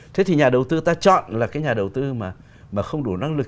thế thì nhà đầu tư ta chọn là cái nhà đầu tư mà không đủ năng lực